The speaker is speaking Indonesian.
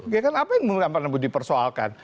ya kan apa yang mampu dipersoalkan